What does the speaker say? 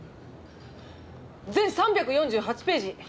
全３４８ページ！